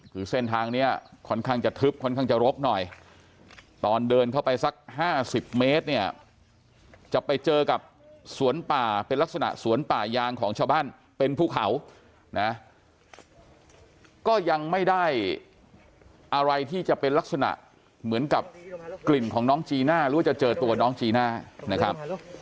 คือเส้นทางนี้ค่อนข้างจะทึบค่อนข้างจะรกหน่อยตอนเดินเข้าไปสัก๕๐เมตรเนี่ยจะไปเจอกับสวนป่าเป็นลักษณะสวนป่ายางของชาวบ้านเป็นภูเขานะก็ยังไม่ได้อะไรที่จะเป็นลักษณะเหมือนกับกลิ่นของน้องจีน่าหรือว่าจะเจอตัวน้องจีน่านะครับ